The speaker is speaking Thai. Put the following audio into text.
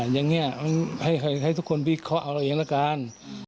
อย่างนี้ให้ทุกคนบิขอย่างนั้นกัน